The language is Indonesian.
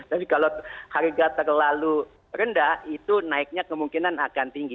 tapi kalau harga terlalu rendah itu naiknya kemungkinan akan tinggi